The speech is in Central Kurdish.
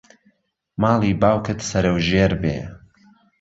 ماڵی باوکت سهرهوژێر بێ